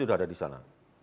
sudah ada disana